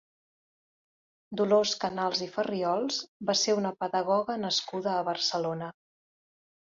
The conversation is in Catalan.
Dolors Canals i Farriols va ser una pedagoga nascuda a Barcelona.